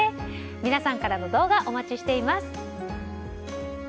皆さんからの動画お待ちしています。